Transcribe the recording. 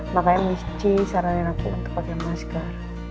makanya miss c saranin aku untuk pakai masker